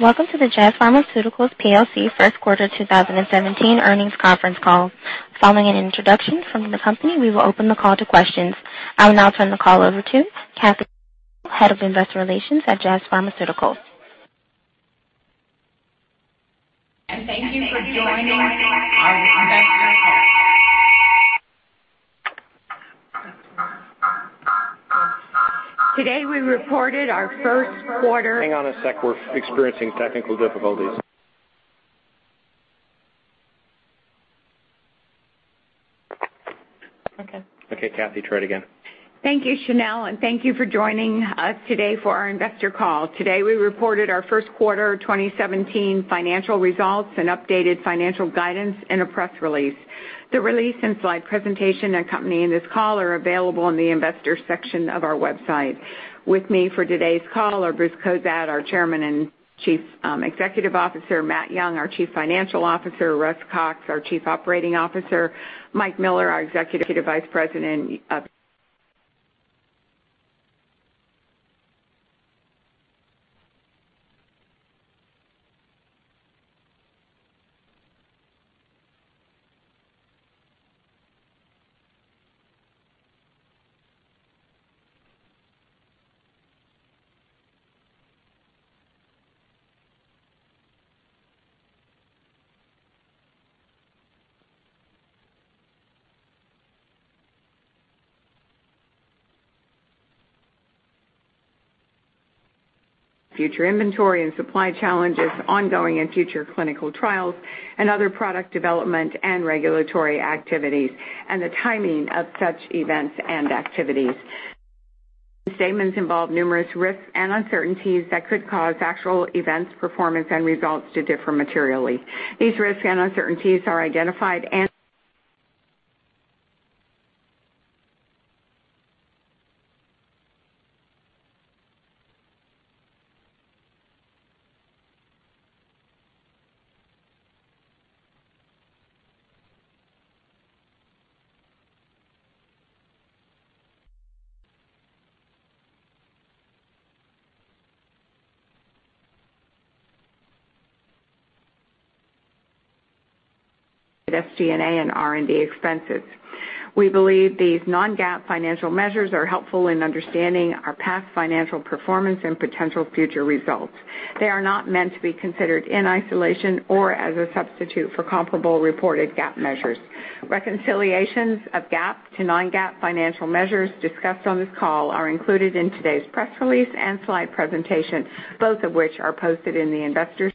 Welcome to the Jazz Pharmaceuticals PLC First Quarter 2017 Earnings Conference Call. Following an introduction from the company, we will open the call to questions. I will now turn the call over to Kathy, Head of Investor Relations at Jazz Pharmaceuticals. Thank you for joining our investor call. Today, we reported our first quarter. Hang on a sec. We're experiencing technical difficulties. Okay. Okay, Kathy, try it again. Thank you, Chanel, and thank you for joining us today for our investor call. Today, we reported our first quarter 2017 financial results and updated financial guidance in a press release. The release and slide presentation accompanying this call are available in the Investors section of our website. With me for today's call are Bruce Cozadd, our Chairman and Chief Executive Officer, Matt Young, our Chief Financial Officer, Russ Cox, our Chief Operating Officer, Mike Miller, our Executive Vice President. Future inventory and supply challenges, ongoing and future clinical trials, and other product development and regulatory activities, and the timing of such events and activities. Statements involve numerous risks and uncertainties that could cause actual events, performance, and results to differ materially. These risks and uncertainties are identified and SG&A and R&D expenses. We believe these non-GAAP financial measures are helpful in understanding our past financial performance and potential future results. They are not meant to be considered in isolation or as a substitute for comparable reported GAAP measures. Reconciliations of GAAP to non-GAAP financial measures discussed on this call are included in today's press release and slide presentation, both of which are posted in the Investors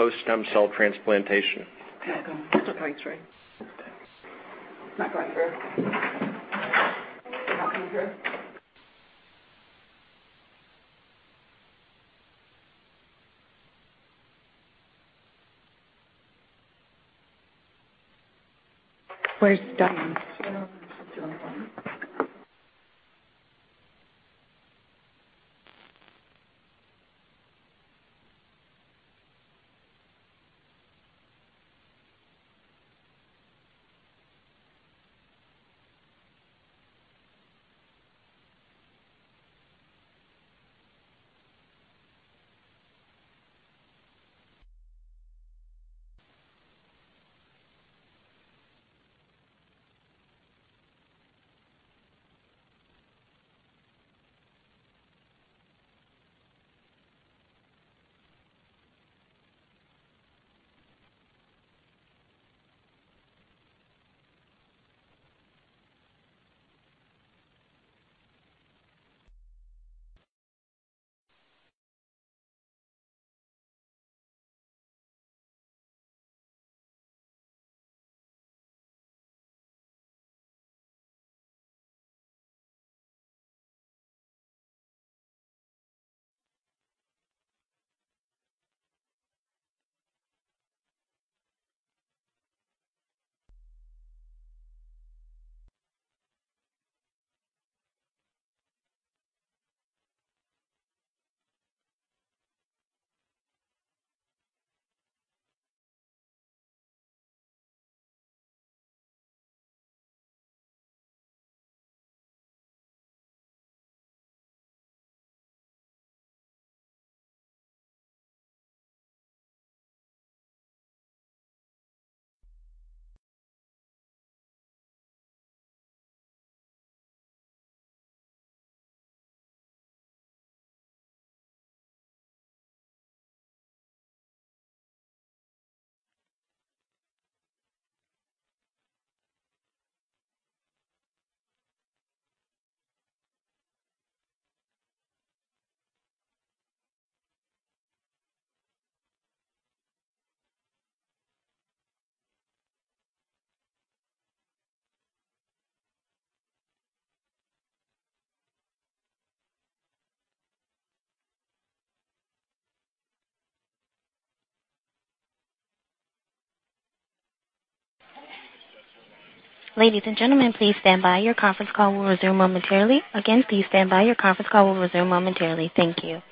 section. Post-stem cell transplantation. Welcome. It's okay, it's ready. Thanks. It's not going through. Where's Diane? Ladies and gentlemen, please stand by. Your conference call will resume momentarily. Again, please stand by. Your conference call will resume momentarily. Thank you.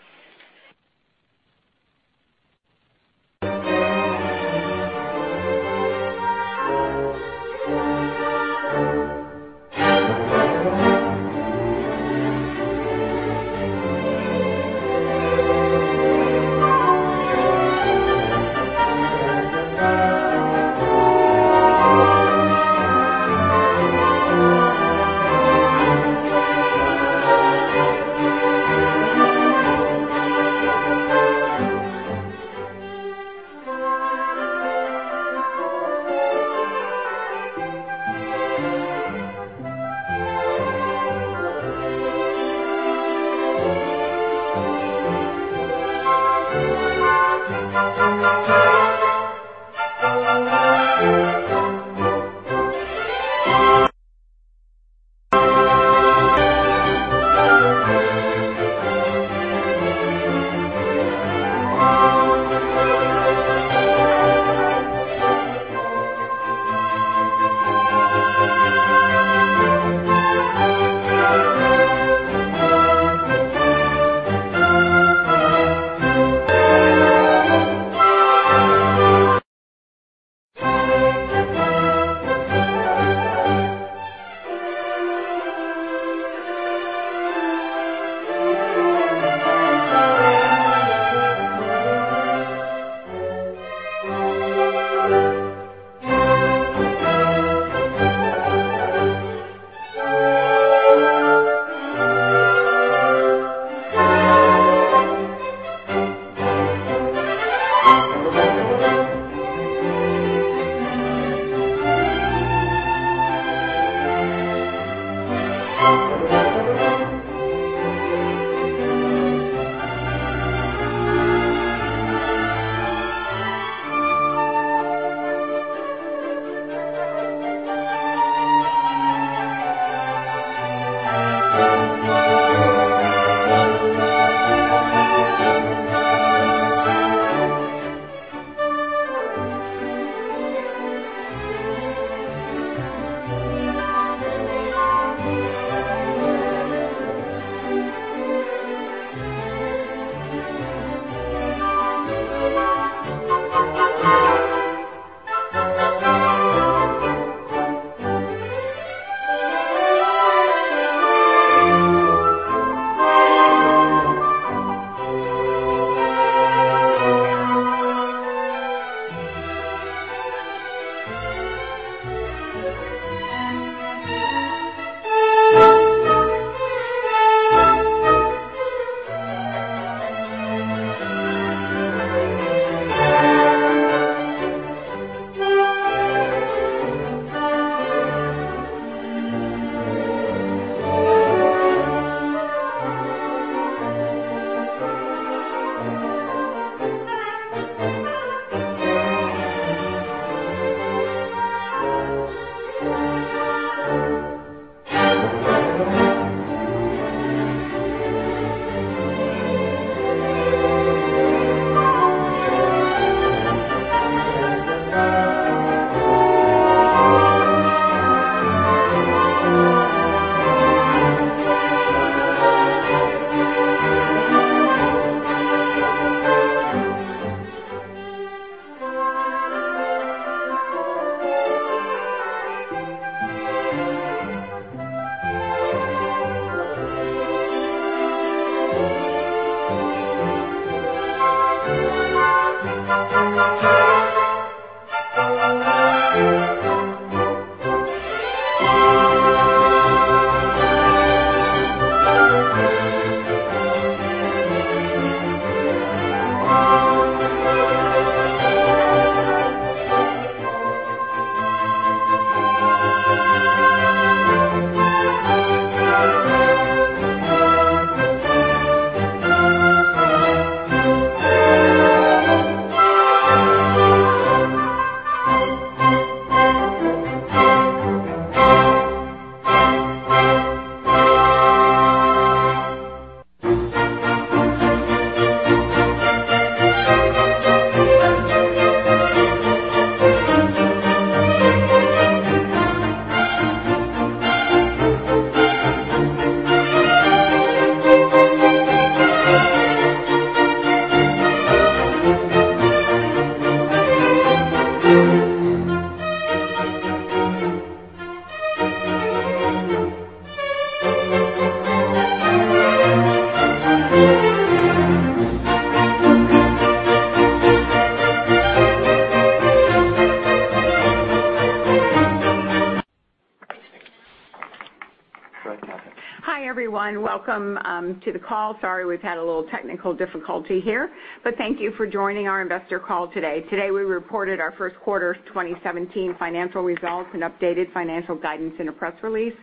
Hi, everyone. Welcome to the call. Sorry, we've had a little technical difficulty here, but thank you for joining our investor call today. Today, we reported our first quarter 2017 financial results and updated financial guidance in a press release.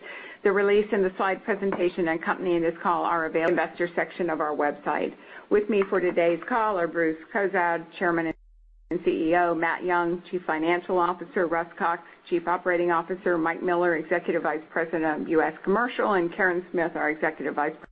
The release and the slide presentation and commentary in this call are available in the investor section of our website. With me for today's call are Bruce Cozadd, Chairman and CEO, Matt Young, Chief Financial Officer, Russ Cox, Chief Operating Officer, Mike Miller, Executive Vice President of U.S. Commercial, and Karen Smith, our Executive Vice President,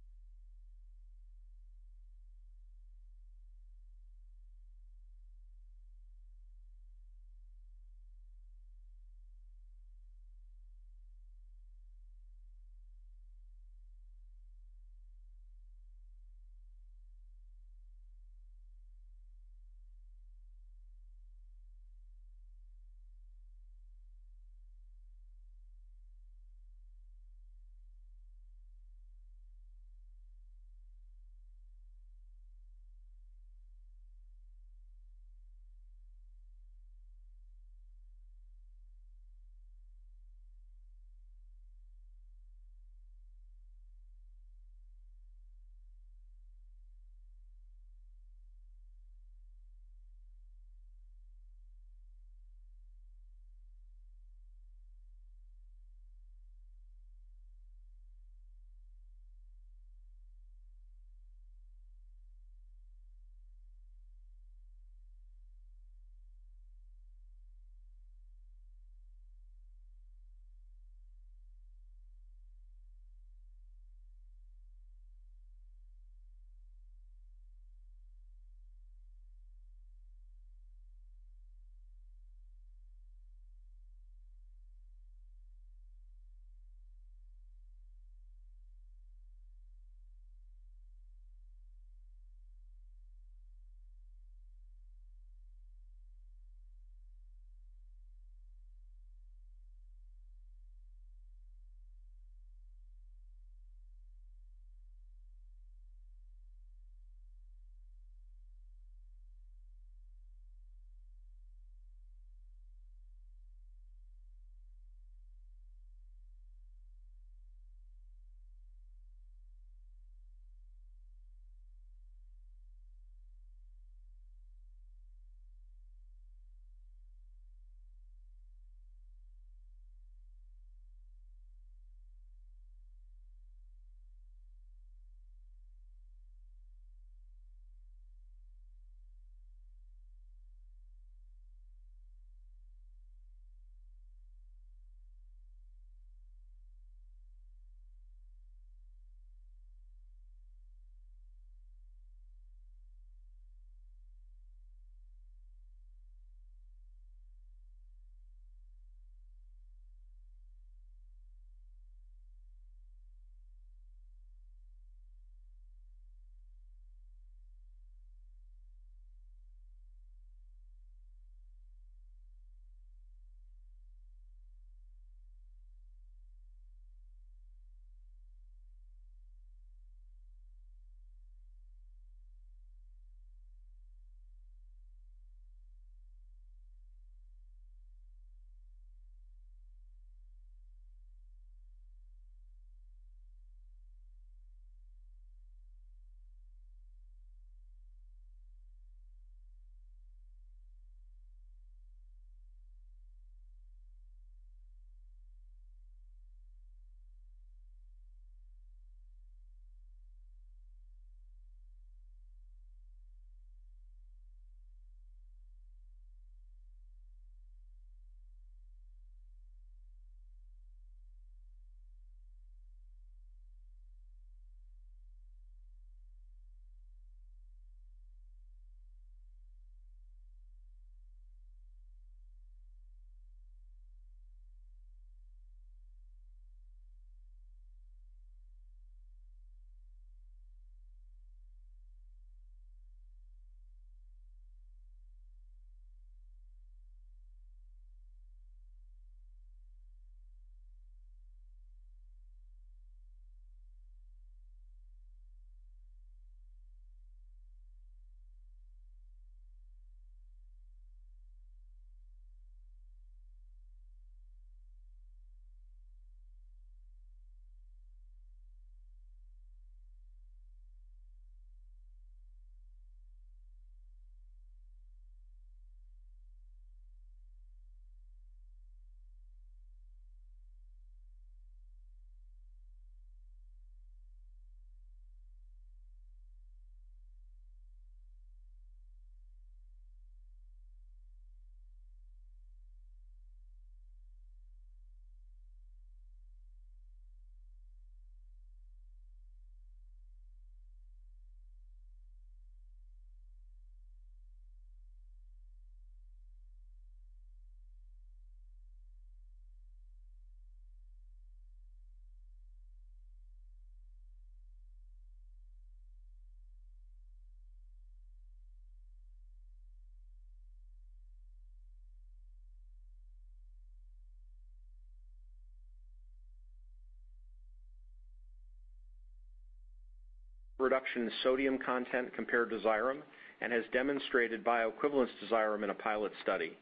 Global Head of R&D and Chief Medical Officer. Reduction in sodium content compared to Xyrem and has demonstrated bioequivalence to Xyrem in a pilot study.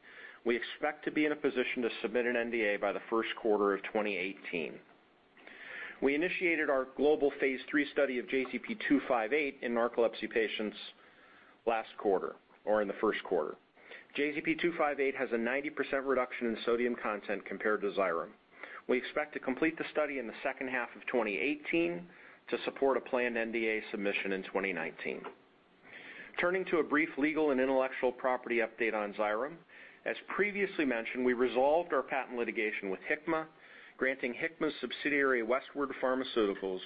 We expect to be in a position to submit an NDA by the first quarter of 2018. We initiated our global phase III study of JZP-258 in narcolepsy patients last quarter or in the first quarter. JZP-258 has a 90% reduction in sodium content compared to Xyrem. We expect to complete the study in the second half of 2018 to support a planned NDA submission in 2019. Turning to a brief legal and intellectual property update on Xyrem. As previously mentioned, we resolved our patent litigation with Hikma, granting Hikma's subsidiary, West-Ward Pharmaceuticals,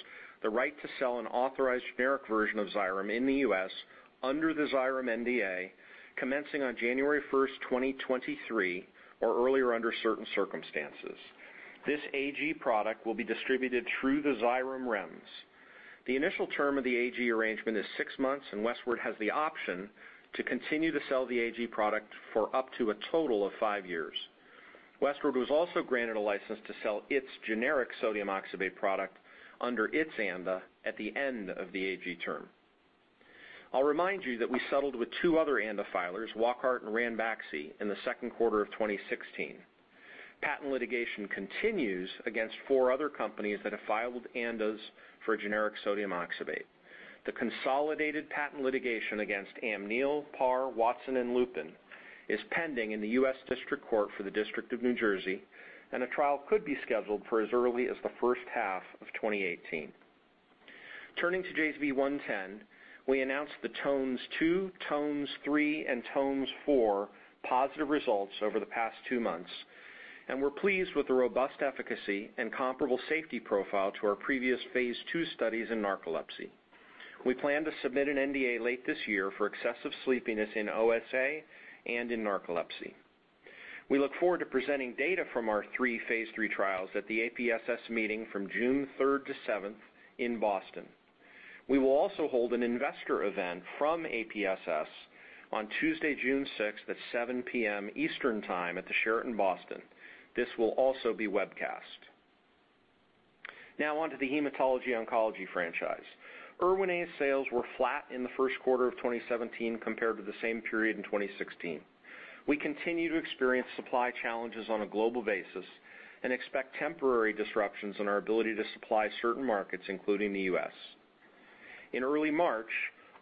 the right to sell an authorized generic version of Xyrem in the U.S. under the Xyrem NDA commencing on January 1st, 2023, or earlier under certain circumstances. This AG product will be distributed through the Xyrem REMS. The initial term of the AG arrangement is six months, and West-Ward has the option to continue to sell the AG product for up to a total of five years. West-Ward was also granted a license to sell its generic sodium oxybate product under its ANDA at the end of the AG term. I'll remind you that we settled with two other ANDA filers, Wockhardt and Ranbaxy, in the second quarter of 2016. Patent litigation continues against four other companies that have filed ANDAs for a generic sodium oxybate. The consolidated patent litigation against Amneal, Par, Watson and Lupin is pending in the U.S. District Court for the District of New Jersey, and a trial could be scheduled for as early as the first half of 2018. Turning to JZP-110, we announced the TONES-2, TONES-3 and TONES-4 positive results over the past two months, and we're pleased with the robust efficacy and comparable safety profile to our previous phase II studies in narcolepsy. We plan to submit an NDA late this year for excessive sleepiness in OSA and in narcolepsy. We look forward to presenting data from our three phase III trials at the APSS meeting from June 3rd-7th in Boston. We will also hold an investor event from APSS on Tuesday, June 6th at 7:00 P.M. Eastern Time at the Sheraton Boston. This will also be webcast. Now on to the Hematology-Oncology franchise. Erwinaze sales were flat in the first quarter of 2017 compared to the same period in 2016. We continue to experience supply challenges on a global basis and expect temporary disruptions in our ability to supply certain markets, including the U.S. In early March,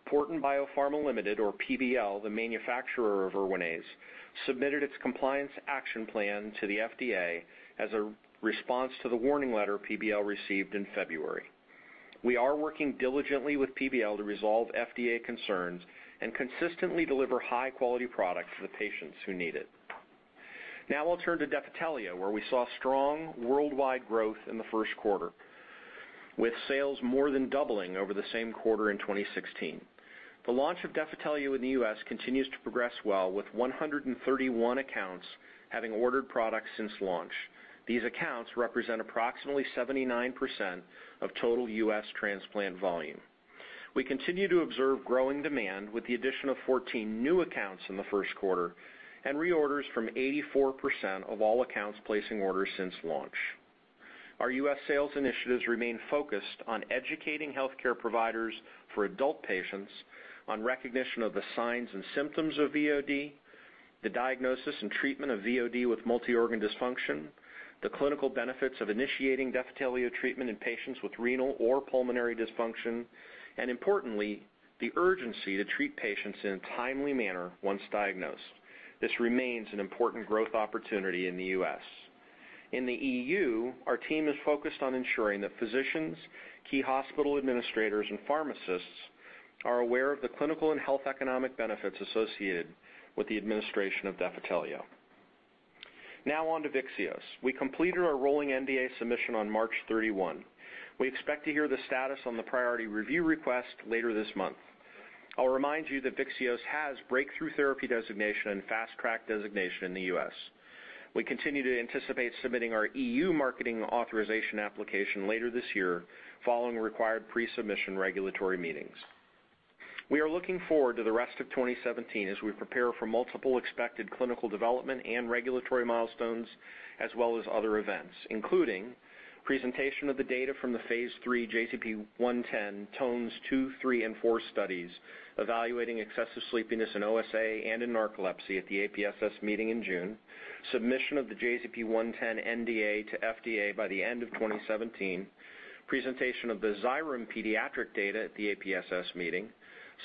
Porton BioPharma Limited, or PBL, the manufacturer of Erwinaze, submitted its compliance action plan to the FDA as a response to the warning letter PBL received in February. We are working diligently with PBL to resolve FDA concerns and consistently deliver high-quality products to the patients who need it. Now I'll turn to Defitelio, where we saw strong worldwide growth in the first quarter, with sales more than doubling over the same quarter in 2016. The launch of Defitelio in the U.S. continues to progress well, with 131 accounts having ordered products since launch. These accounts represent approximately 79% of total U.S. transplant volume. We continue to observe growing demand with the addition of 14 new accounts in the first quarter and reorders from 84% of all accounts placing orders since launch. Our U.S. sales initiatives remain focused on educating healthcare providers for adult patients on recognition of the signs and symptoms of VOD, the diagnosis and treatment of VOD with multiorgan dysfunction, the clinical benefits of initiating Defitelio treatment in patients with renal or pulmonary dysfunction, and importantly, the urgency to treat patients in a timely manner once diagnosed. This remains an important growth opportunity in the U.S. In the E.U., our team is focused on ensuring that physicians, key hospital administrators, and pharmacists are aware of the clinical and health economic benefits associated with the administration of Defitelio. Now on to Vyxeos. We completed our rolling NDA submission on March 31. We expect to hear the status on the priority review request later this month. I'll remind you that Vyxeos has breakthrough therapy designation and Fast Track designation in the U.S. We continue to anticipate submitting our E.U. marketing authorization application later this year following required pre-submission regulatory meetings. We are looking forward to the rest of 2017 as we prepare for multiple expected clinical development and regulatory milestones, as well as other events, including presentation of the data from the phase III JZP-110 TONES 2, 3 and 4 studies evaluating excessive sleepiness in OSA and in narcolepsy at the APSS meeting in June, submission of the JZP-110 NDA to FDA by the end of 2017, presentation of the Xyrem pediatric data at the APSS meeting,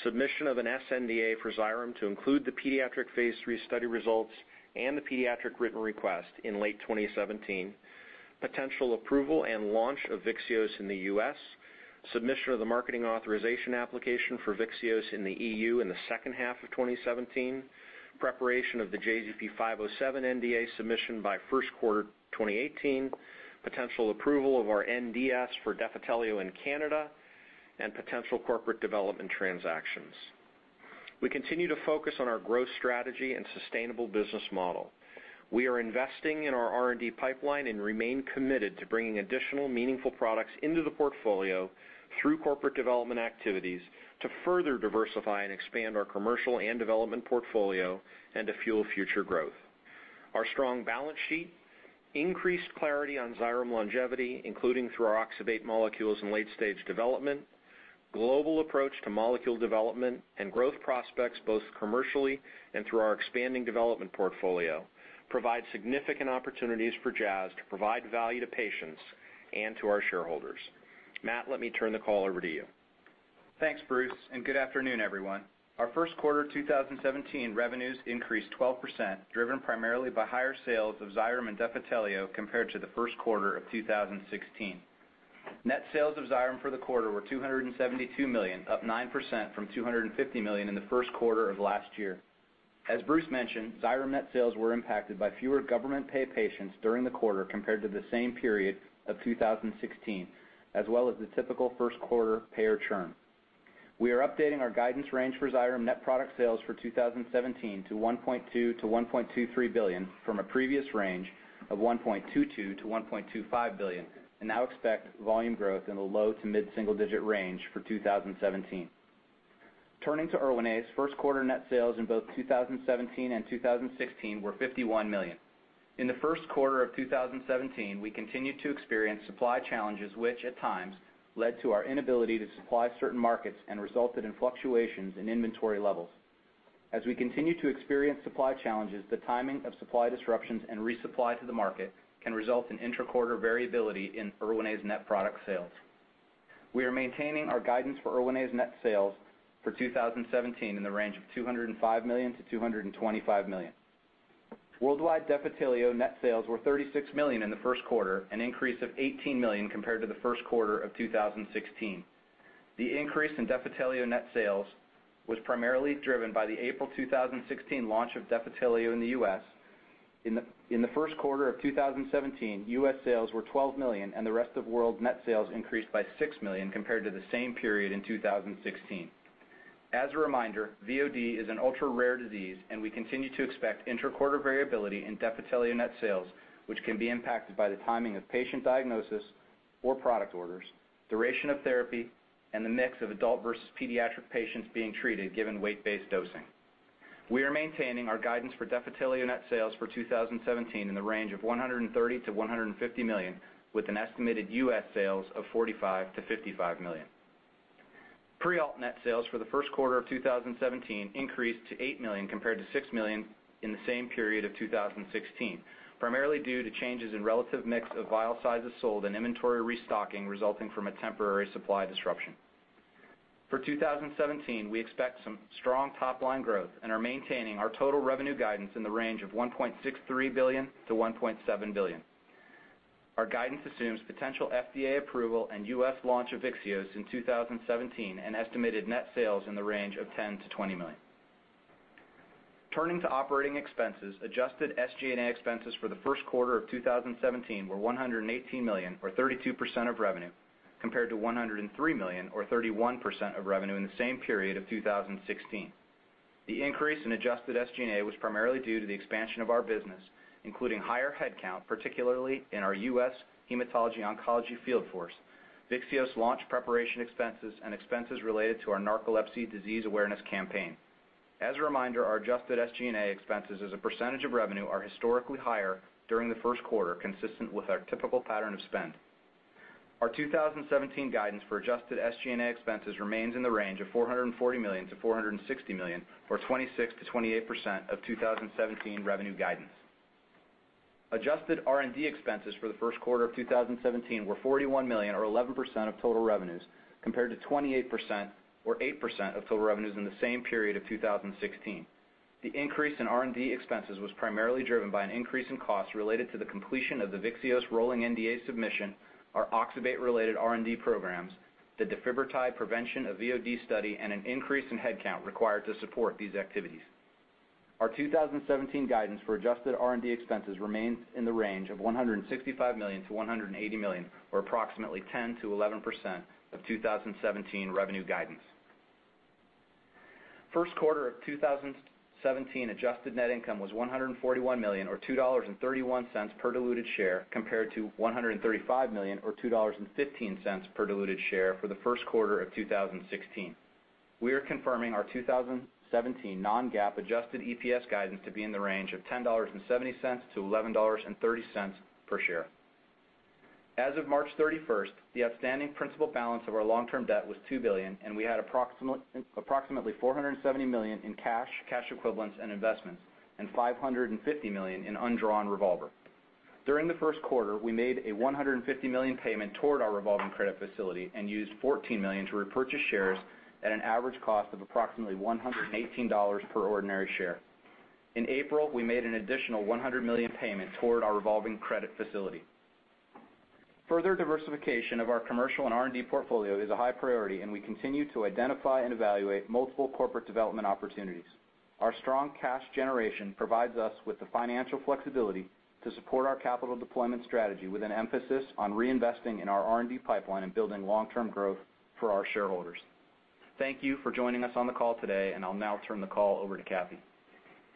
submission of an sNDA for Xyrem to include the pediatric phase III study results and the pediatric written request in late 2017, potential approval and launch of Vyxeos in the U.S., submission of the marketing authorization application for Vyxeos in the E.U. in the second half of 2017, preparation of the JZP-507 NDA submission by first quarter 2018, potential approval of our NDS for Defitelio in Canada, and potential corporate development transactions. We continue to focus on our growth strategy and sustainable business model. We are investing in our R&D pipeline and remain committed to bringing additional meaningful products into the portfolio through corporate development activities to further diversify and expand our commercial and development portfolio and to fuel future growth. Our strong balance sheet, increased clarity on Xyrem longevity, including through our oxybate molecules in late-stage development, global approach to molecule development and growth prospects, both commercially and through our expanding development portfolio, provide significant opportunities for Jazz to provide value to patients and to our shareholders. Matt, let me turn the call over to you. Thanks, Bruce, and good afternoon, everyone. Our first quarter 2017 revenues increased 12%, driven primarily by higher sales of Xyrem and Defitelio compared to the first quarter of 2016. Net sales of Xyrem for the quarter were $272 million, up 9% from $250 million in the first quarter of last year. As Bruce mentioned, Xyrem net sales were impacted by fewer government pay patients during the quarter compared to the same period of 2016, as well as the typical first quarter payer churn. We are updating our guidance range for Xyrem net product sales for 2017 to $1.2 billion-$1.23 billion from a previous range of $1.22 billion-$1.25 billion and now expect volume growth in the low- to mid-single-digit range for 2017. Turning to Erwinaze, first quarter net sales in both 2017 and 2016 were $51 million. In the first quarter of 2017, we continued to experience supply challenges, which at times led to our inability to supply certain markets and resulted in fluctuations in inventory levels. As we continue to experience supply challenges, the timing of supply disruptions and resupply to the market can result in intra-quarter variability in Erwinaze net product sales. We are maintaining our guidance for Erwinaze net sales for 2017 in the range of $205 million-$225 million. Worldwide Defitelio net sales were $36 million in the first quarter, an increase of $18 million compared to the first quarter of 2016. The increase in Defitelio net sales was primarily driven by the April 2016 launch of Defitelio in the U.S. In the first quarter of 2017, U.S. sales were $12 million, and the rest of world net sales increased by $6 million compared to the same period in 2016. As a reminder, VOD is an ultra-rare disease, and we continue to expect intra-quarter variability in Defitelio net sales, which can be impacted by the timing of patient diagnosis or product orders, duration of therapy, and the mix of adult versus pediatric patients being treated given weight-based dosing. We are maintaining our guidance for Defitelio net sales for 2017 in the range of $130 million-$150 million, with an estimated U.S. sales of $45 million-$55 million. Prialt net sales for the first quarter of 2017 increased to $8 million compared to $6 million in the same period of 2016, primarily due to changes in relative mix of vial sizes sold and inventory restocking resulting from a temporary supply disruption. For 2017, we expect some strong top-line growth and are maintaining our total revenue guidance in the range of $1.63 billion-$1.7 billion. Our guidance assumes potential FDA approval and U.S. launch of Vyxeos in 2017, an estimated net sales in the range of $10 million-$20 million. Turning to operating expenses, adjusted SG&A expenses for the first quarter of 2017 were $118 million, or 32% of revenue, compared to $103 million or 31% of revenue in the same period of 2016. The increase in adjusted SG&A was primarily due to the expansion of our business, including higher headcount, particularly in our U.S. Hematology Oncology field force, Vyxeos launch preparation expenses and expenses related to our narcolepsy disease awareness campaign. As a reminder, our adjusted SG&A expenses as a percentage of revenue are historically higher during the first quarter, consistent with our typical pattern of spend. Our 2017 guidance for adjusted SG&A expenses remains in the range of $440 million-$460 million, or 26%-28% of 2017 revenue guidance. Adjusted R&D expenses for the first quarter of 2017 were $41 million, or 11% of total revenues, compared to 28%, or 8% of total revenues in the same period of 2016. The increase in R&D expenses was primarily driven by an increase in costs related to the completion of the Vyxeos rolling NDA submission, our oxybate-related R&D programs, the Defibrotide prevention of VOD study, and an increase in headcount required to support these activities. Our 2017 guidance for adjusted R&D expenses remains in the range of $165 million-$180 million, or approximately 10%-11% of 2017 revenue guidance. First quarter of 2017 adjusted net income was $141 million or $2.31 per diluted share, compared to $135 million or $2.15 per diluted share for the first quarter of 2016. We are confirming our 2017 non-GAAP adjusted EPS guidance to be in the range of $10.70-$11.30 per share. As of March 31st, the outstanding principal balance of our long-term debt was $2 billion, and we had approximately $470 million in cash equivalents and investments and $550 million in undrawn revolver. During the first quarter, we made a $150 million payment toward our revolving credit facility and used $14 million to repurchase shares at an average cost of approximately $118 per ordinary share. In April, we made an additional $100 million payment toward our revolving credit facility. Further diversification of our commercial and R&D portfolio is a high priority, and we continue to identify and evaluate multiple corporate development opportunities. Our strong cash generation provides us with the financial flexibility to support our capital deployment strategy, with an emphasis on reinvesting in our R&D pipeline and building long-term growth for our shareholders. Thank you for joining us on the call today, and I'll now turn the call over to Kathy.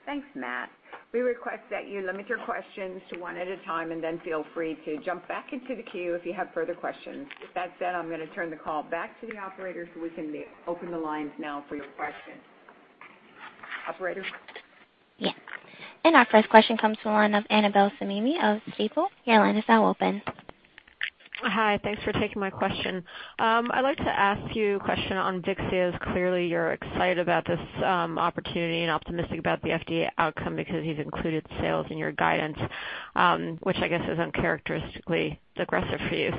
Thanks, Matt. We request that you limit your questions to one at a time and then feel free to jump back into the queue if you have further questions. With that said, I'm gonna turn the call back to the operator, so we can open the lines now for your questions. Operator? Yes. Our first question comes to the line of Annabel Samimy of Stifel. Your line is now open. Hi, thanks for taking my question. I'd like to ask you a question on Vyxeos. Clearly, you're excited about this, opportunity and optimistic about the FDA outcome because you've included sales in your guidance, which I guess is uncharacteristically aggressive for you.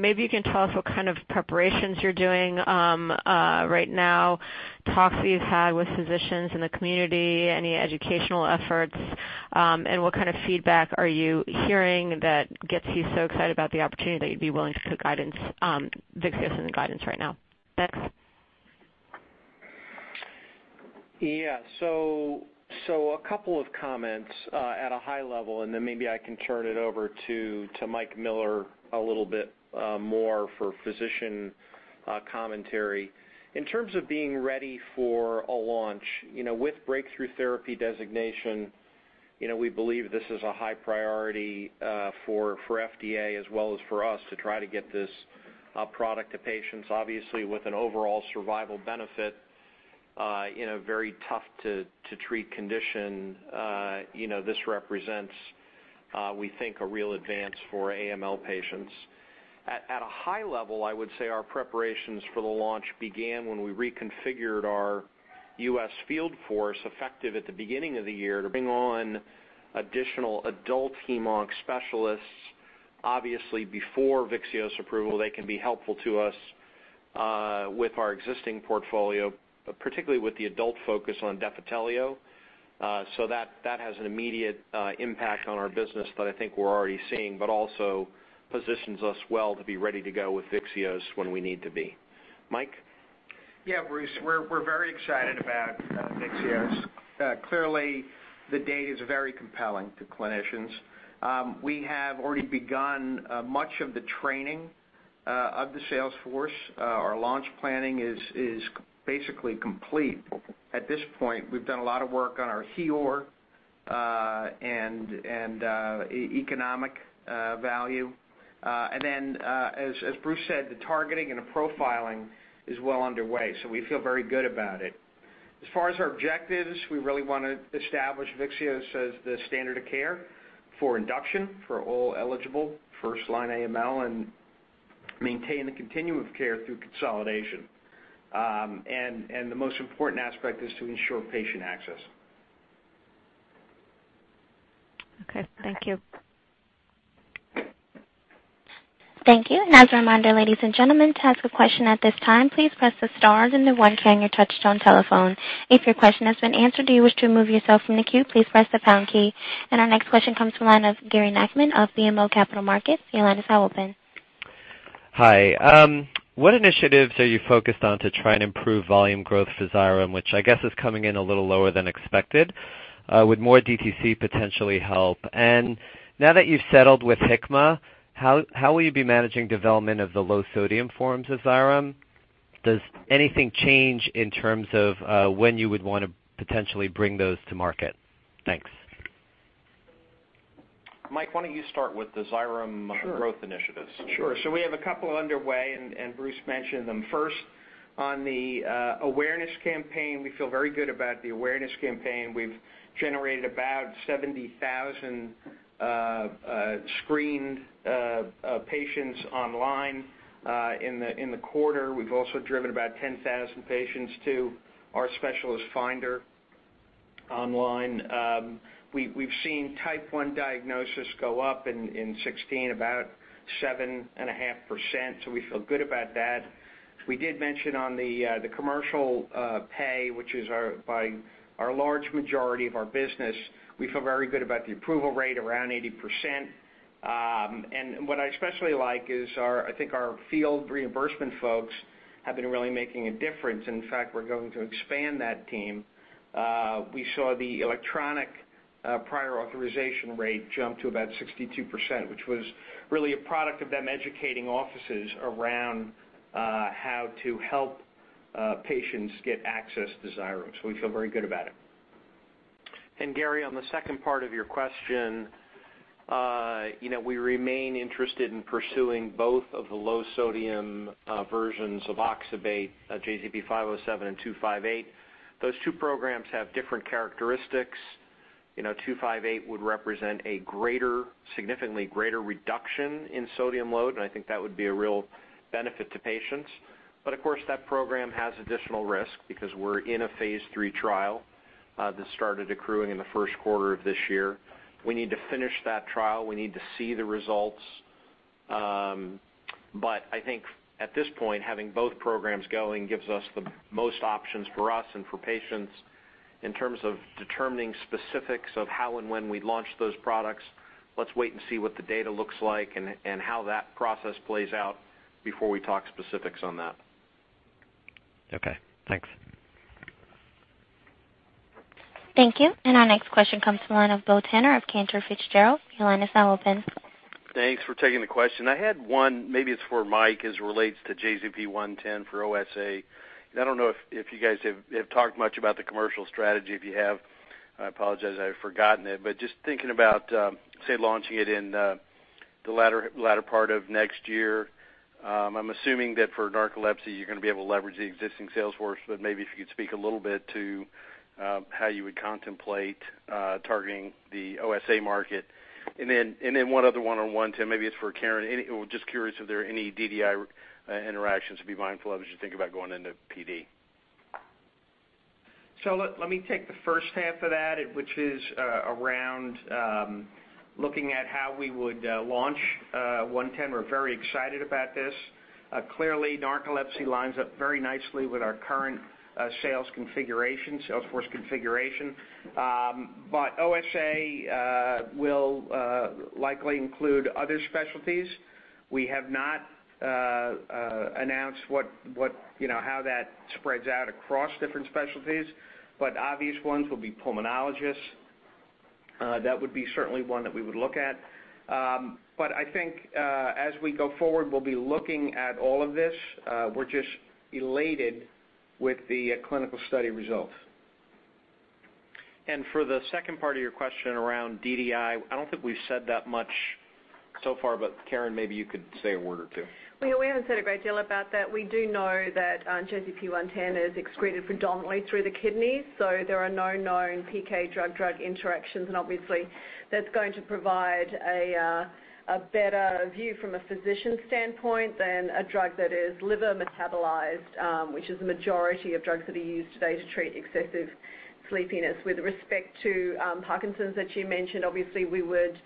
Maybe you can tell us what kind of preparations you're doing, right now, talks that you've had with physicians in the community, any educational efforts, and what kind of feedback are you hearing that gets you so excited about the opportunity that you'd be willing to put guidance, Vyxeos in the guidance right now? Thanks. A couple of comments at a high-level, and then maybe I can turn it over to Mike Miller a little bit more for physician commentary. In terms of being ready for a launch, you know, with breakthrough therapy designation, you know, we believe this is a high priority for FDA as well as for us to try to get this product to patients, obviously with an overall survival benefit in a very tough to treat condition, you know, this represents we think a real advance for AML patients. At a high-level, I would say our preparations for the launch began when we reconfigured our U.S. field force effective at the beginning of the year to bring on additional adult hemonc specialists. Obviously, before Vyxeos approval, they can be helpful to us with our existing portfolio, particularly with the adult focus on Defitelio. That has an immediate impact on our business that I think we're already seeing, but also positions us well to be ready to go with Vyxeos when we need to be. Mike? Yeah, Bruce, we're very excited about Vyxeos. Clearly, the data is very compelling to clinicians. We have already begun much of the training of the sales force. Our launch planning is basically complete. At this point, we've done a lot of work on our HEOR and economic value. And then, as Bruce said, the targeting and the profiling is well underway, so we feel very good about it. As far as our objectives, we really wanna establish Vyxeos as the standard of care for induction for all eligible first-line AML and maintain the continuum of care through consolidation. And the most important aspect is to ensure patient access. Okay. Thank you. Thank you. As a reminder, ladies and gentlemen, to ask a question at this time, please press the star then the one key on your touchtone telephone. If your question has been answered, or you wish to remove yourself from the queue, please press the pound key. Our next question comes from the line of Gary Nachman of BMO Capital Markets. Your line is now open. Hi. What initiatives are you focused on to try and improve volume growth for Xyrem, which I guess is coming in a little lower than expected? Would more DTC potentially help? Now that you've settled with Hikma, how will you be managing development of the low sodium forms of Xyrem? Does anything change in terms of when you would wanna potentially bring those to market? Thanks. Mike, why don't you start with the Xyrem- Sure. growth initiatives? Sure. We have a couple underway, and Bruce mentioned them. First, on the awareness campaign, we feel very good about the awareness campaign. We've generated about 70,000 screened patients online in the quarter. We've also driven about 10,000 patients to our specialist finder online. We've seen type one diagnosis go up in sixteen about 7.5%, so we feel good about that. We did mention on the commercial payer, which is by far our large majority of our business, we feel very good about the approval rate around 80%. And what I especially like is our field reimbursement folks have been really making a difference. In fact, we're going to expand that team. We saw the electronic prior authorization rate jump to about 62%, which was really a product of them educating offices around how to help patients get access to Xyrem. We feel very good about it. Gary, on the second part of your question, you know, we remain interested in pursuing both of the low sodium versions of oxybate, JZP-507 and JZP-258. Those two programs have different characteristics. You know, JZP-258 would represent a greater, significantly greater reduction in sodium load, and I think that would be a real benefit to patients. Of course, that program has additional risk because we're in a phase three trial that started accruing in the first quarter of this year. We need to finish that trial. We need to see the results. But I think at this point, having both programs going gives us the most options for us and for patients. In terms of determining specifics of how and when we launch those products, let's wait and see what the data looks like and how that process plays out before we talk specifics on that. Okay, thanks. Thank you. Our next question comes from the line of Bill Tanner of Cantor Fitzgerald. Your line is now open. Thanks for taking the question. I had one, maybe it's for Mike, as it relates to JZP-110 for OSA. I don't know if you guys have talked much about the commercial strategy. If you have, I apologize, I've forgotten it. But just thinking about, say, launching it in the latter part of next year. I'm assuming that for narcolepsy, you're gonna be able to leverage the existing sales force. But maybe if you could speak a little bit to how you would contemplate targeting the OSA market. Then one other one-on-one, Tim, maybe it's for Karen. Well, just curious if there are any DDI interactions to be mindful of as you think about going into PD. Let me take the first half of that, which is around looking at how we would launch JZP-110. We're very excited about this. Clearly, narcolepsy lines up very nicely with our current sales configuration, sales force configuration. OSA will likely include other specialties. We have not announced what, you know, how that spreads out across different specialties, but obvious ones will be pulmonologists. That would be certainly one that we would look at. I think as we go forward, we'll be looking at all of this. We're just elated with the clinical study results. For the second part of your question around DDI, I don't think we've said that much so far, but Karen, maybe you could say a word or two. Well, we haven't said a great deal about that. We do know that, JZP-110 is excreted predominantly through the kidneys, so there are no known PK drug-drug interactions. Obviously, that's going to provide a better view from a physician standpoint than a drug that is liver metabolized, which is the majority of drugs that are used today to treat excessive sleepiness. With respect to, Parkinson's that you mentioned, obviously, we would,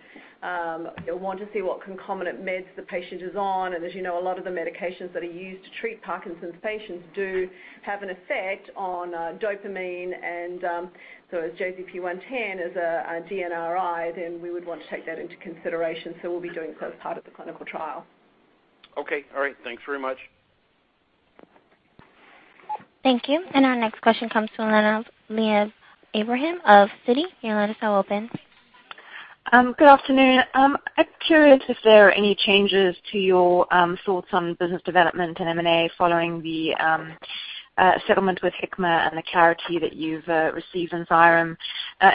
want to see what concomitant meds the patient is on. As you know, a lot of the medications that are used to treat Parkinson's patients do have an effect on, dopamine. As JZP-110 is a DNRI, then we would want to take that into consideration. We'll be doing so as part of the clinical trial. Okay. All right. Thanks very much. Thank you. Our next question comes from the line of Liav Abraham of Citi. Your line is now open. Good afternoon. I'm curious if there are any changes to your thoughts on business development and M&A following the settlement with Hikma and the clarity that you've received in Xyrem.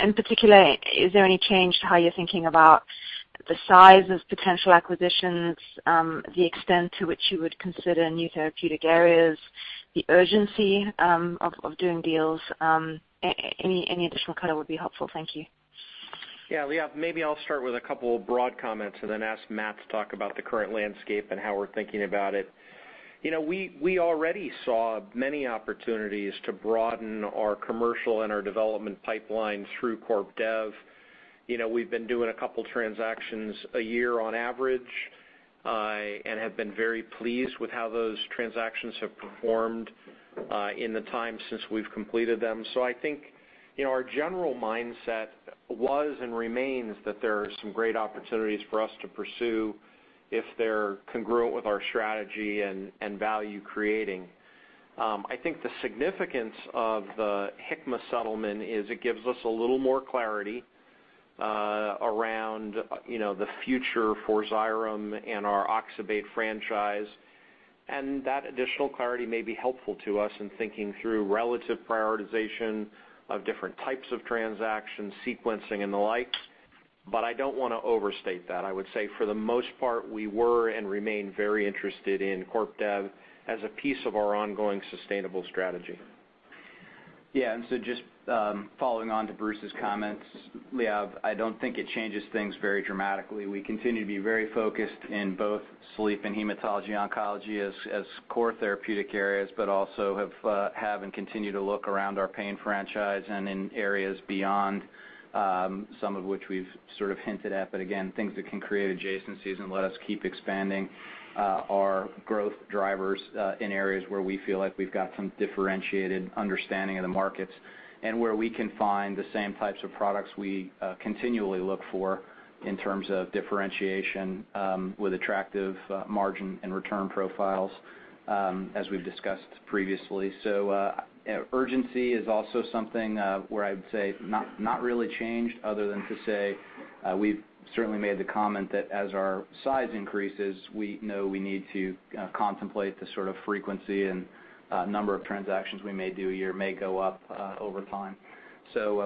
In particular, is there any change to how you're thinking about the size of potential acquisitions, the extent to which you would consider new therapeutic areas, the urgency of doing deals? Any additional color would be helpful. Thank you. Yeah, Leah, maybe I'll start with a couple broad comments and then ask Matt to talk about the current landscape and how we're thinking about it. You know, we already saw many opportunities to broaden our commercial and our development pipeline through corp dev. You know, we've been doing a couple transactions a year on average, and have been very pleased with how those transactions have performed, in the time since we've completed them. I think, you know, our general mindset was and remains that there are some great opportunities for us to pursue if they're congruent with our strategy and value creating. I think the significance of the Hikma settlement is it gives us a little more clarity, around, you know, the future for Xyrem and our oxybate franchise. That additional clarity may be helpful to us in thinking through relative prioritization of different types of transactions, sequencing and the like. I don't wanna overstate that. I would say for the most part, we were and remain very interested in corp dev as a piece of our ongoing sustainable strategy. Yeah. Just following on to Bruce's comments, Liav, I don't think it changes things very dramatically. We continue to be very focused in both sleep and hematology oncology as core therapeutic areas, but also have and continue to look around our pain franchise and in areas beyond, some of which we've sort of hinted at. Again, things that can create adjacencies and let us keep expanding our growth drivers in areas where we feel like we've got some differentiated understanding of the markets and where we can find the same types of products we continually look for in terms of differentiation, with attractive margin and return profiles, as we've discussed previously. Urgency is also something where I would say not really changed other than to say, we've certainly made the comment that as our size increases, we know we need to contemplate the sort of frequency and number of transactions we may do a year may go up over time.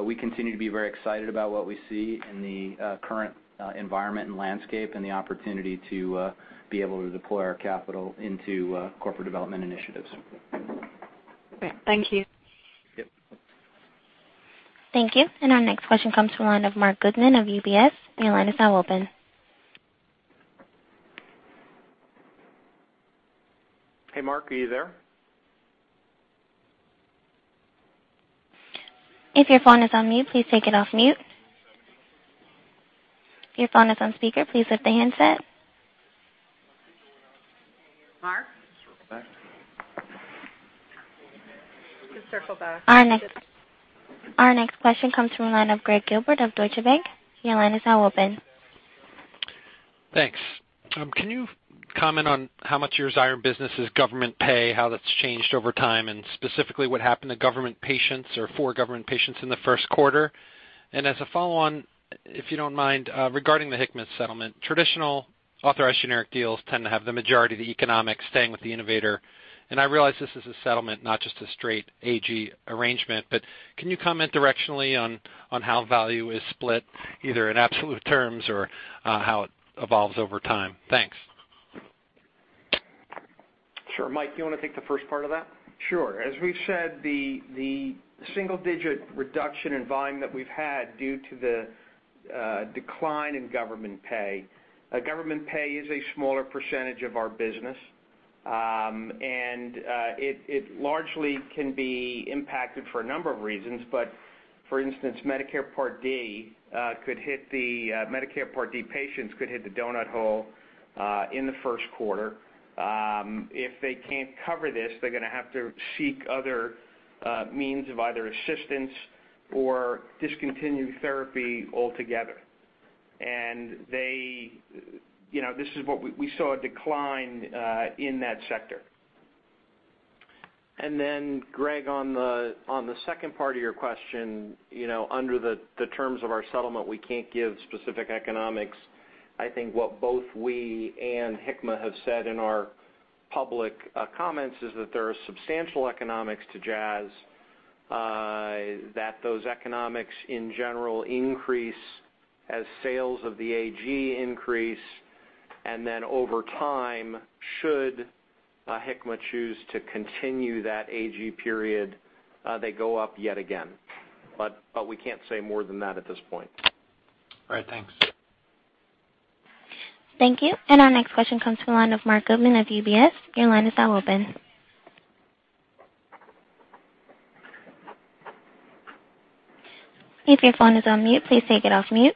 We continue to be very excited about what we see in the current environment and landscape and the opportunity to be able to deploy our capital into corporate development initiatives. Okay. Thank you. Yep. Thank you. Our next question comes from the line of Mark Goodman of UBS. Your line is now open. Hey, Mark, are you there? If your phone is on mute, please take it off mute. If your phone is on speaker, please lift the handset. Mark? We'll circle back. We can circle back. Our next question comes from a line of Gregg Gilbert of Deutsche Bank. Your line is now open. Thanks. Can you comment on how much your Xyrem business is government payer, how that's changed over time, and specifically what happened to government patients or for government patients in the first quarter? As a follow-on, if you don't mind, regarding the Hikma settlement, traditional authorized generic deals tend to have the majority of the economics staying with the innovator. I realize this is a settlement, not just a straight AG arrangement, but can you comment directionally on how value is split either in absolute terms or how it evolves over time? Thanks. Sure. Mike, you want to take the first part of that? Sure. As we've said, the single-digit reduction in volume that we've had due to the decline in government pay is a smaller percentage of our business. It largely can be impacted for a number of reasons. But for instance, Medicare Part D patients could hit the donut hole in the first quarter. If they can't cover this, they're gonna have to seek other means of either assistance or discontinued therapy altogether. They, you know, this is what we saw, a decline in that sector. Greg, on the second part of your question, you know, under the terms of our settlement, we can't give specific economics. I think what both we and Hikma have said in our public comments is that there are substantial economics to Jazz, that those economics in general increase as sales of the AG increase, and then over time, should Hikma choose to continue that AG period, they go up yet again. We can't say more than that at this point. All right, thanks. Thank you. Our next question comes from the line of Mark Goodman of UBS. Your line is now open. If your phone is on mute, please take it off mute.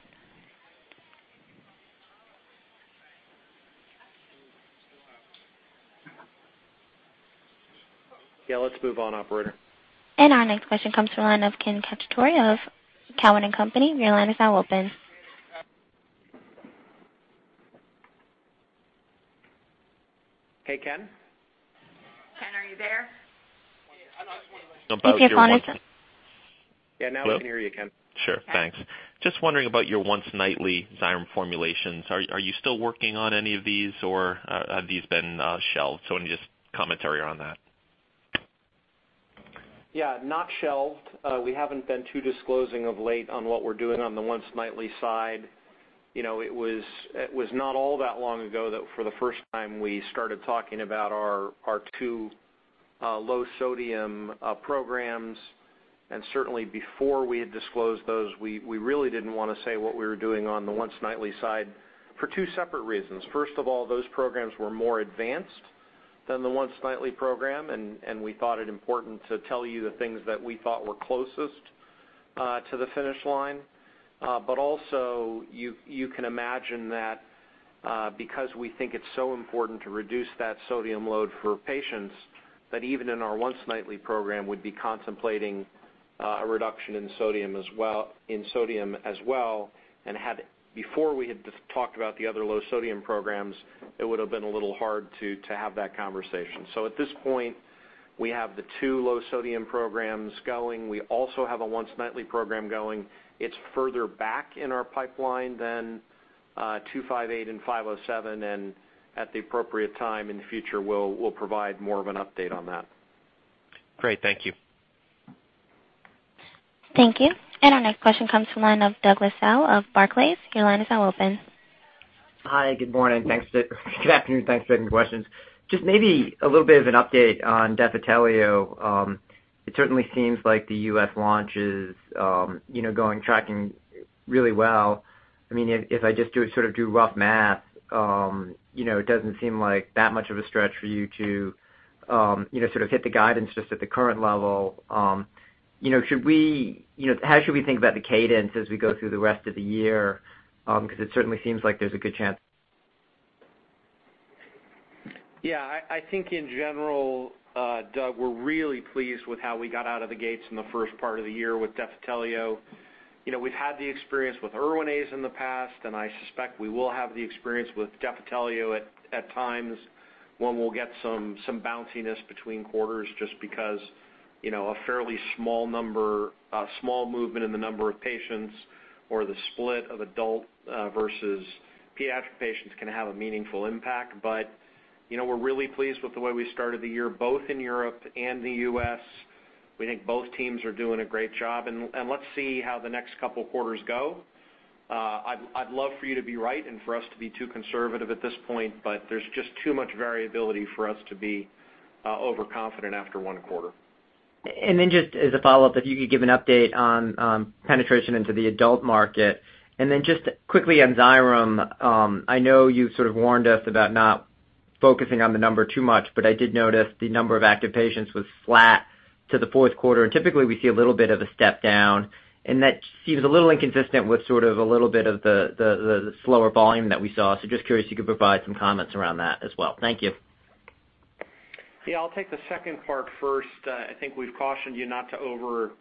Yeah, let's move on, operator. Our next question comes from the line of Ken Cacciatore of Cowen and Company. Your line is now open. Hey, Ken. Ken, are you there? I think your line is. Yeah, now we can hear you, Ken. Sure. Thanks. Just wondering about your once-nightly Xyrem formulations. Are you still working on any of these, or have these been shelved? Any just commentary on that. Yeah, not shelved. We haven't been too disclosing of late on what we're doing on the once-nightly side. You know, it was not all that long ago that for the first time we started talking about our two low sodium programs. Certainly before we had disclosed those, we really didn't wanna say what we were doing on the once-nightly side for two separate reasons. First of all, those programs were more advanced than the once-nightly program, and we thought it important to tell you the things that we thought were closest to the finish line. Also you can imagine that because we think it's so important to reduce that sodium load for patients that even in our once-nightly program we'd be contemplating a reduction in sodium as well. Before we had talked about the other low sodium programs it would have been a little hard to have that conversation. At this point we have the two low-sodium programs going. We also have a once-nightly program going. It's further back in our pipeline than JZP-258 and JZP-507 and at the appropriate time in the future we'll provide more of an update on that. Great. Thank you. Thank you. Our next question comes from line of Douglas Tsao of Barclays. Your line is now open. Hi, good morning. Thanks. Good afternoon, thanks for taking the questions. Just maybe a little bit of an update on Defitelio. It certainly seems like the U.S. launch is, you know, going, tracking really well. I mean, if I just sort of do rough math, you know, it doesn't seem like that much of a stretch for you to, you know, sort of hit the guidance just at the current level. You know, should we, you know, how should we think about the cadence as we go through the rest of the year, 'cause it certainly seems like there's a good chance. Yeah. I think in general, Douglas, we're really pleased with how we got out of the gates in the first part of the year with Defitelio. You know, we've had the experience with Erwinaze in the past, and I suspect we will have the experience with Defitelio at times when we'll get some bounciness between quarters just because, you know, a fairly small number, a small movement in the number of patients or the split of adult versus pediatric patients can have a meaningful impact. You know, we're really pleased with the way we started the year, both in Europe and the U.S. We think both teams are doing a great job, and let's see how the next couple quarters go. I'd love for you to be right and for us to be too conservative at this point, but there's just too much variability for us to be overconfident after one quarter. Just as a follow-up, if you could give an update on penetration into the adult market. Just quickly on Xyrem, I know you sort of warned us about not focusing on the number too much, but I did notice the number of active patients was flat to the fourth quarter. Typically, we see a little bit of a step-down, and that seems a little inconsistent with sort of a little bit of the slower volume that we saw. Just curious if you could provide some comments around that as well. Thank you. Yeah, I'll take the second part first. I think we've cautioned you not to over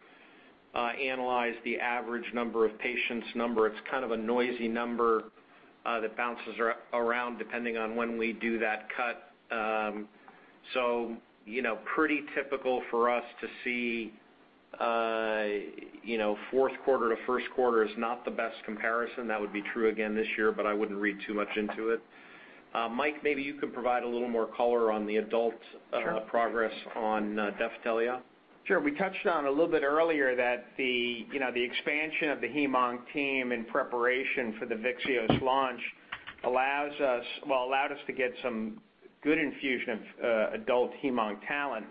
analyze the average number of patients. It's kind of a noisy number that bounces around depending on when we do that cut. You know, pretty typical for us to see, you know, fourth quarter to first quarter is not the best comparison. That would be true again this year, but I wouldn't read too much into it. Mike, maybe you could provide a little more color on the adult- Sure. progress on Defitelio. Sure. We touched on a little bit earlier that the, you know, the expansion of the hem-onc team in preparation for the Vyxeos launch. Allowed us to get some good infusion of adult hem-onc talent,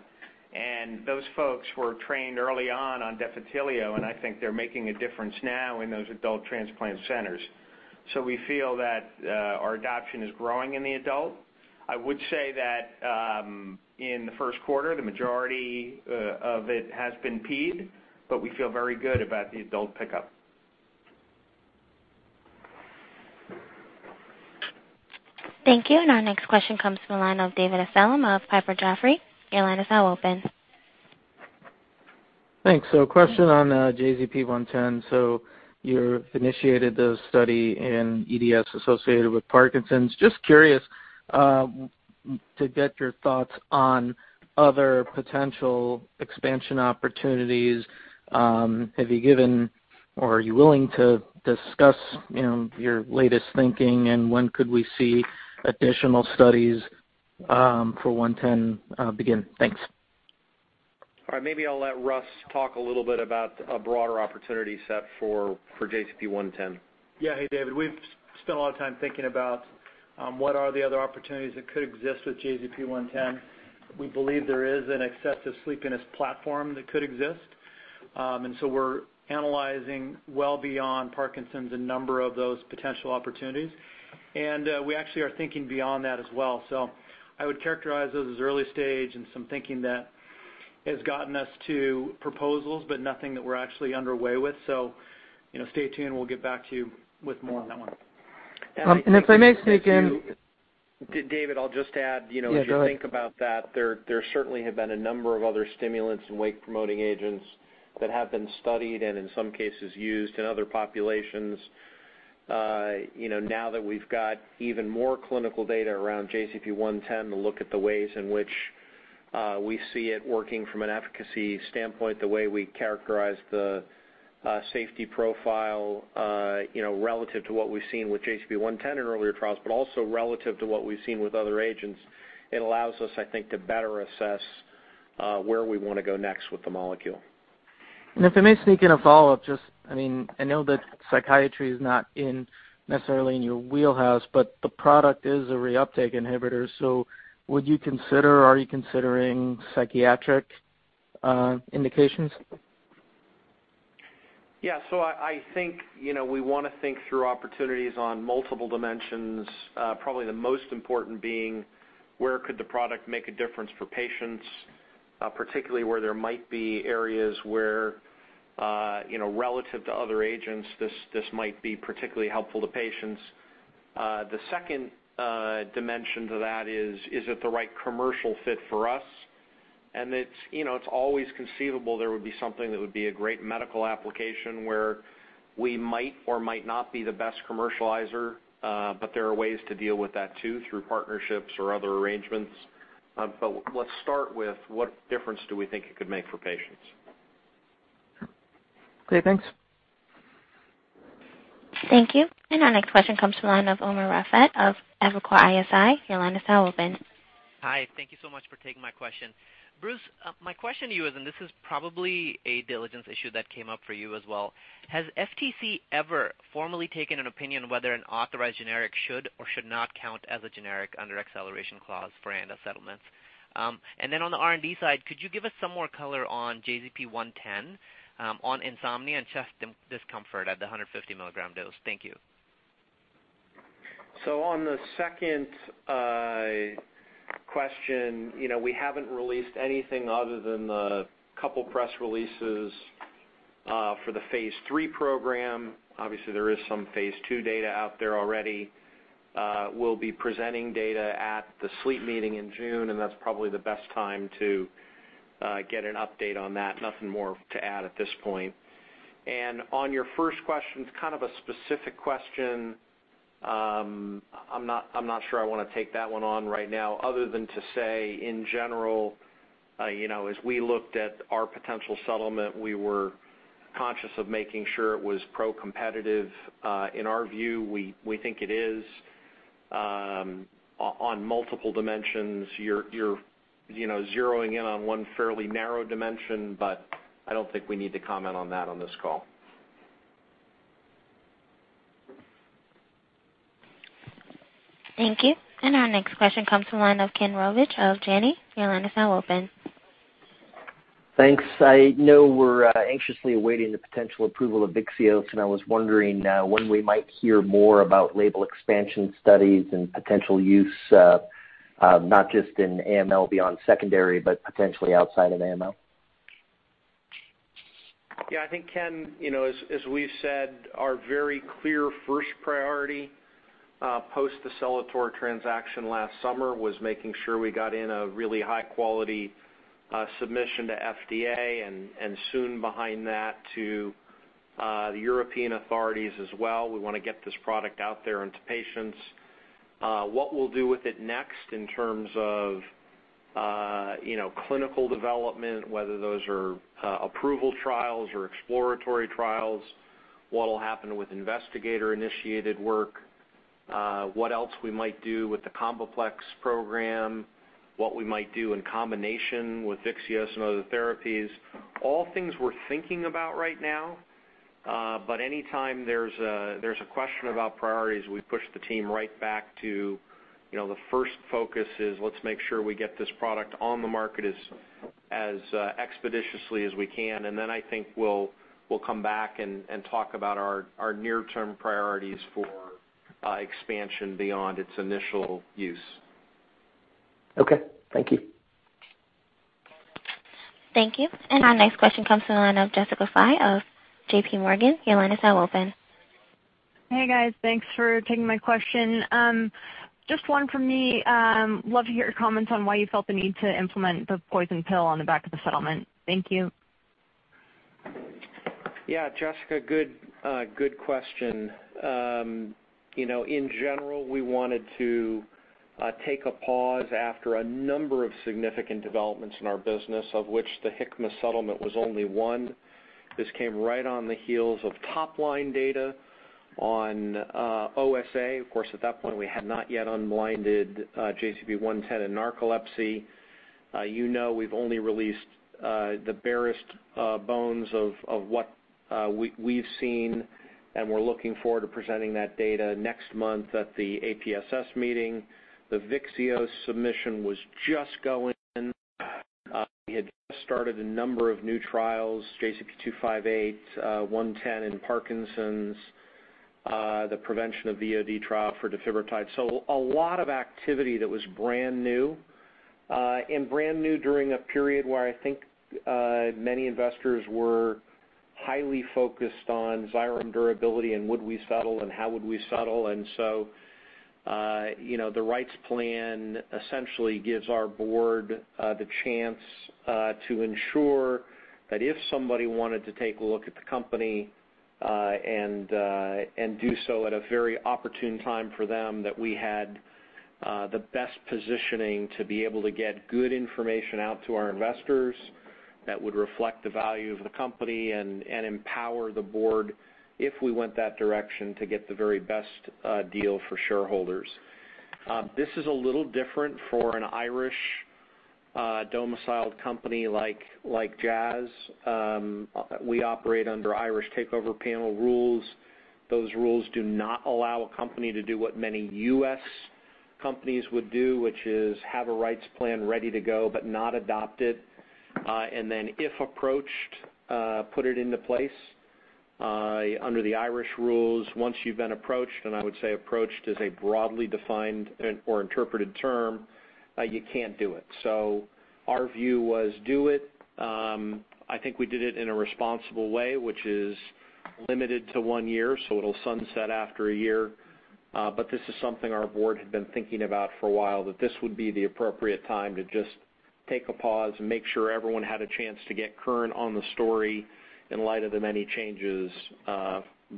and those folks were trained early on Defitelio, and I think they're making a difference now in those adult transplant centers. We feel that our adoption is growing in the adult. I would say that in the first quarter, the majority of it has been ped, but we feel very good about the adult pickup. Thank you. Our next question comes from the line of David Amsellem of Piper Jaffray. Your line is now open. Thanks. A question on JZP-110. You initiated the study in EDS associated with Parkinson's. Just curious to get your thoughts on other potential expansion opportunities. Have you given or are you willing to discuss, you know, your latest thinking, and when could we see additional studies for JZP-110 begin? Thanks. All right. Maybe I'll let Russ talk a little bit about a broader opportunity set for JZP-110. Yeah. Hey, David. We've spent a lot of time thinking about what are the other opportunities that could exist with JZP-110. We believe there is an excessive sleepiness platform that could exist. We're analyzing well beyond Parkinson's a number of those potential opportunities, and we actually are thinking beyond that as well. I would characterize those as early stage and some thinking that has gotten us to proposals, but nothing that we're actually underway with. You know, stay tuned. We'll get back to you with more on that one. If I may sneak in. David, I'll just add, you know. Yeah, go ahead. As you think about that, there certainly have been a number of other stimulants and wake-promoting agents that have been studied and in some cases used in other populations. You know, now that we've got even more clinical data around JZP-110 to look at the ways in which we see it working from an efficacy standpoint, the way we characterize the safety profile, you know, relative to what we've seen with JZP-110 in earlier trials, but also relative to what we've seen with other agents, it allows us, I think, to better assess where we wanna go next with the molecule. If I may sneak in a follow-up, just, I mean, I know that psychiatry is not in, necessarily in your wheelhouse, but the product is a reuptake inhibitor. Would you consider, are you considering psychiatric indications? I think, you know, we wanna think through opportunities on multiple dimensions, probably the most important being where could the product make a difference for patients, particularly where there might be areas where, you know, relative to other agents, this might be particularly helpful to patients. The second dimension to that is it the right commercial fit for us? It's, you know, it's always conceivable there would be something that would be a great medical application where we might or might not be the best commercializer, but there are ways to deal with that too through partnerships or other arrangements. Let's start with what difference do we think it could make for patients? Okay, thanks. Thank you. Our next question comes from the line of Umer Raffat of Evercore ISI. Your line is now open. Hi. Thank you so much for taking my question. Bruce, my question to you is, and this is probably a diligence issue that came up for you as well. Has FTC ever formally taken an opinion whether an authorized generic should or should not count as a generic under acceleration clause for ANDA settlements? And then on the R&D side, could you give us some more color on JZP-110, on insomnia and chest discomfort at the 150 mg dose? Thank you. On the second question, you know, we haven't released anything other than the couple press releases for the phase III program. Obviously, there is some phase II data out there already. We'll be presenting data at the sleep meeting in June, and that's probably the best time to get an update on that. Nothing more to add at this point. On your first question, it's kind of a specific question. I'm not sure I wanna take that one on right now other than to say in general, you know, as we looked at our potential settlement, we were conscious of making sure it was pro-competitive. In our view, we think it is on multiple dimensions. You're you know, zeroing in on one fairly narrow dimension, but I don't think we need to comment on that on this call. Thank you. Our next question comes from the line of Ken Trbovich of Janney. Your line is now open. Thanks. I know we're anxiously awaiting the potential approval of Vyxeos, and I was wondering when we might hear more about label expansion studies and potential use, not just in AML beyond secondary, but potentially outside of AML? Yeah, I think, Ken, you know, as we've said, our very clear first priority post the Celator transaction last summer was making sure we got in a really high-quality submission to FDA and soon behind that to the European authorities as well. We wanna get this product out there into patients. What we'll do with it next in terms of you know, clinical development, whether those are approval trials or exploratory trials, what'll happen with investigator-initiated work, what else we might do with the CombiPlex program, what we might do in combination with Vyxeos and other therapies, all things we're thinking about right now. Anytime there's a question about priorities, we push the team right back to, you know, the first focus is let's make sure we get this product on the market as expeditiously as we can. I think we'll come back and talk about our near-term priorities for expansion beyond its initial use. Okay. Thank you. Thank you. Our next question comes from the line of Jessica Fye of J.P. Morgan. Your line is now open. Hey, guys. Thanks for taking my question. Just one for me. Love to hear your comments on why you felt the need to implement the poison pill on the back of the settlement. Thank you. Yeah. Jessica, good question. You know, in general, we wanted to take a pause after a number of significant developments in our business, of which the Hikma settlement was only one. This came right on the heels of top-line data on OSA. Of course, at that point, we had not yet unblinded JZP-110 and narcolepsy. You know, we've only released the barest bones of what we've seen, and we're looking forward to presenting that data next month at the APSS meeting. The Vyxeos submission was just going. We had just started a number of new trials, JZP-258, JZP-110 in Parkinson's, the prevention of VOD trial for Defibrotide. A lot of activity that was brand new during a period where I think many investors were highly focused on Xyrem durability and would we settle and how would we settle. The rights plan essentially gives our board the chance to ensure that if somebody wanted to take a look at the company and do so at a very opportune time for them, that we had the best positioning to be able to get good information out to our investors that would reflect the value of the company and empower the board if we went that direction to get the very best deal for shareholders. This is a little different for an Irish domiciled company like Jazz. We operate under Irish Takeover Panel rules. Those rules do not allow a company to do what many U.S. companies would do, which is have a rights plan ready to go but not adopt it. If approached, put it into place. Under the Irish rules, once you've been approached, and I would say approached is a broadly defined or interpreted term, you can't do it. Our view was do it. I think we did it in a responsible way, which is limited to one year, so it'll sunset after a year. This is something our board had been thinking about for a while, that this would be the appropriate time to just take a pause and make sure everyone had a chance to get current on the story in light of the many changes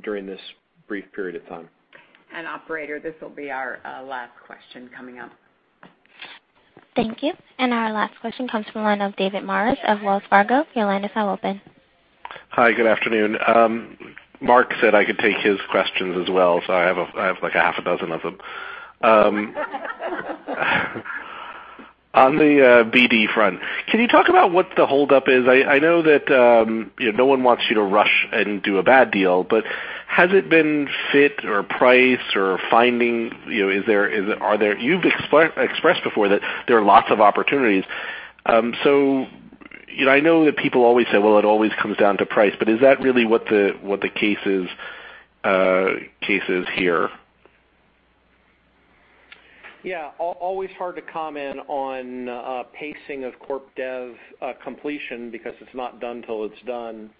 during this brief period of time. Operator, this will be our last question coming up. Thank you. Our last question comes from the line of David Maris of Wells Fargo. Your line is now open. Hi. Good afternoon. Mark said I could take his questions as well, so I have, like, half a dozen of them. On the BD front, can you talk about what the holdup is? I know that, you know, no one wants you to rush and do a bad deal, but has it been fit or price or finding, you know? Are there? You've expressed before that there are lots of opportunities. You know, I know that people always say, "Well, it always comes down to price," but is that really what the case is here? Yeah. Always hard to comment on pacing of corp dev completion because it's not done till it's done.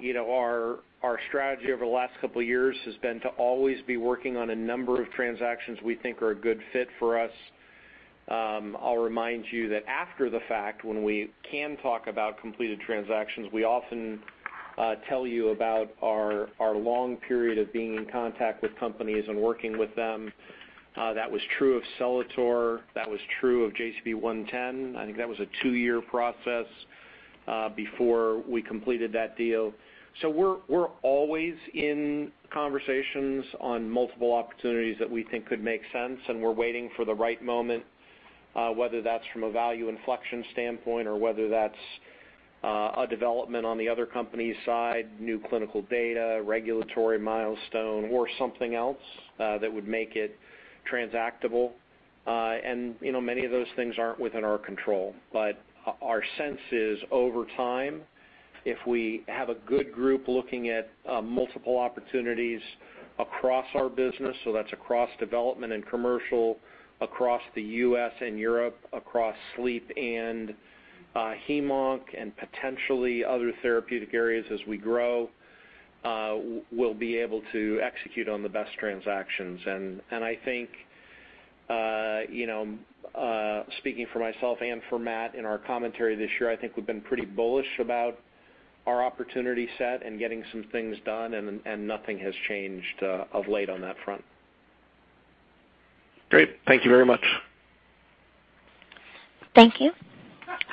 You know, our strategy over the last couple of years has been to always be working on a number of transactions we think are a good fit for us. I'll remind you that after the fact, when we can talk about completed transactions, we often tell you about our long period of being in contact with companies and working with them. That was true of Celator. That was true of JZP-110. I think that was a two-year process before we completed that deal. We're always in conversations on multiple opportunities that we think could make sense, and we're waiting for the right moment, whether that's from a value inflection standpoint or whether that's a development on the other company's side, new clinical data, regulatory milestone, or something else, that would make it transactable. You know, many of those things aren't within our control. Our sense is over time, if we have a good group looking at multiple opportunities across our business, so that's across development and commercial, across the U.S. And Europe, across sleep and hem-onc and potentially other therapeutic areas as we grow, we'll be able to execute on the best transactions. I think, you know, speaking for myself and for Matt in our commentary this year, I think we've been pretty bullish about our opportunity set and getting some things done and nothing has changed of late on that front. Great. Thank you very much. Thank you.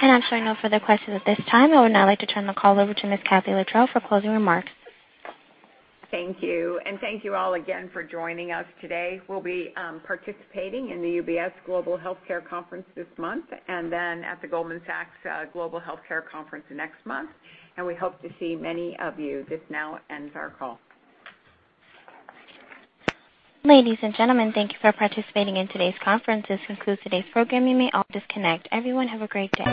I'm showing no further questions at this time. I would now like to turn the call over to Ms. Kathy Littrell for closing remarks. Thank you. Thank you all again for joining us today. We'll be participating in the UBS Global Healthcare Conference this month and then at the Goldman Sachs Global Healthcare Conference next month, and we hope to see many of you. This now ends our call. Ladies and gentlemen, thank you for participating in today's conference. This concludes today's program. You may all disconnect. Everyone, have a great day.